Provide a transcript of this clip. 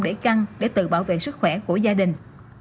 để căng để tự bảo vệ sức khỏe của gia đình